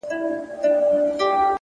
زحمت د هیلو اور ژوندی ساتي.!